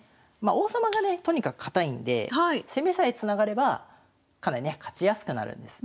王様がねとにかく堅いんで攻めさえつながればかなりね勝ちやすくなるんです。